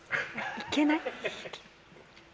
いけない？